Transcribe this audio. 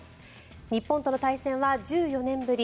日本との対戦は１４年ぶり